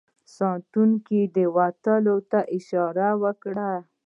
ساتونکو د وتلو اشاره وکړه.